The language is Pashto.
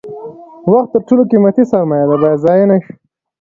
وخت تر ټولو قیمتي سرمایه ده باید ضایع نشي.